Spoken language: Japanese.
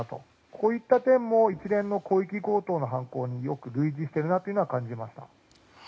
こういった点も一連の広域強盗の犯行によく類似しているなと感じました。